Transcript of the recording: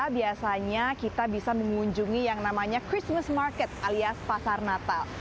biasanya kita bisa mengunjungi yang namanya christmas market alias pasar natal